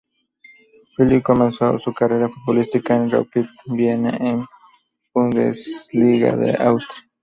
Philipp comenzó su carrera futbolística en el Rapid Viena de la Bundesliga de Austria.